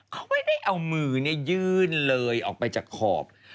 เขาไม่ได้เอามือยื่นเลยออกไปจากขอบ